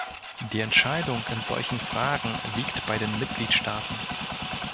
Die Entscheidung in solchen Fragen liegt bei den Mitgliedstaaten.